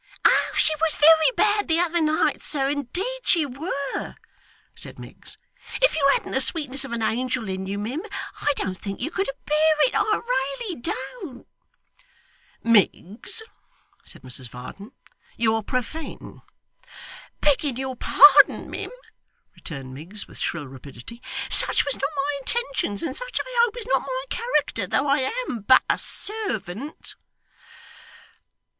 'Oh! she were very bad the other night, sir, indeed she were, said Miggs. 'If you hadn't the sweetness of an angel in you, mim, I don't think you could abear it, I raly don't.' 'Miggs,' said Mrs Varden, 'you're profane.' 'Begging your pardon, mim,' returned Miggs, with shrill rapidity, 'such was not my intentions, and such I hope is not my character, though I am but a servant.